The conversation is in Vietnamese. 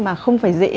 mà không phải dễ